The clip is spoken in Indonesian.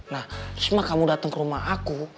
nah terus emak kamu dateng ke rumah